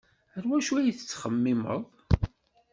Ar wacu ay tettxemmimeḍ?